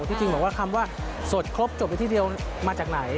จริงบอกว่าคำว่าสดครบจบอยู่ที่เดียวมาจากไหน